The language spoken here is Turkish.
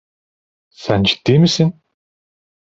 Sen ciddi misin?